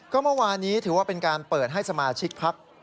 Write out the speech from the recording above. ก็เมื่อวานนี้ถือว่าเป็นการเปิดให้สมาชิกพัก